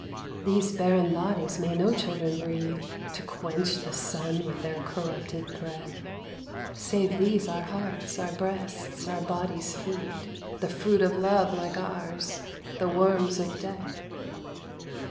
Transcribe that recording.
These barren bodies may no children breed To quench the sun with their corrupted breath — Save these our hearts, our breasts, our bodies feed— The fruit of love like ours, the worms of death.